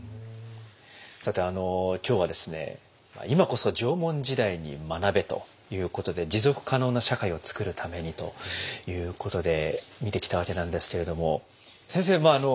「今こそ縄文時代に学べ！」ということで「持続可能な社会を作るために」ということで見てきたわけなんですけれども先生まあ